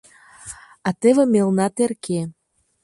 А теве мелна терке.